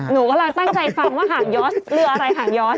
หนูกำลังตั้งใจฟังว่าหางยอสเรืออะไรหางย้อน